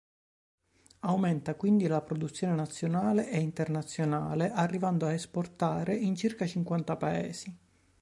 Aumenta quindi la produzione nazionale e internazionale, arrivando a esportare in circa cinquanta paesi.